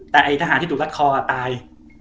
แต่ไอ้ทหารที่ถูกรัดคอตาย